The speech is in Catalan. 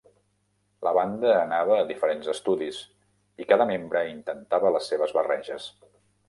La banda anava a diferents estudis i cada membre intentava les seves barreges.